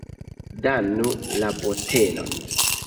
Donu la botelon!